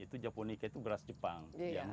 itu japonica itu beras jepang